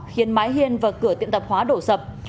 khiến mái hiên và cửa tiệm tạp hóa đổ sập